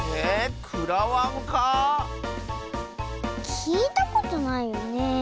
きいたことないよねえ？